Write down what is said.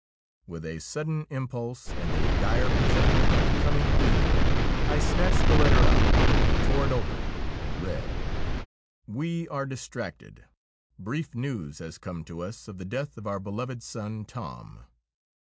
With a sudden impulse and a dire presentiment of coming evil I snatched the letter up, tore it open, and read :' We are distracted. Brief news has come to us of the death of our beloved son, Tom.